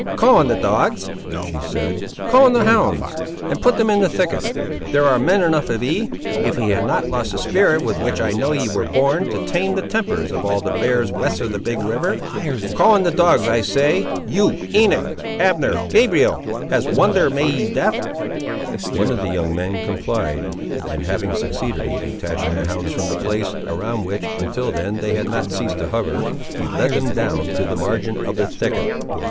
"Call in the dogs!" she said; "call in the hounds, and put them into the thicket; there ar' men enough of ye, if ye have not lost the spirit with which I know ye were born, to tame the tempers of all the bears west of the big river. Call in the dogs, I say, you Enoch! Abner! Gabriel! has wonder made ye deaf?" One of the young men complied; and having succeeded in detaching the hounds from the place, around which, until then, they had not ceased to hover, he led them down to the margin of the thicket.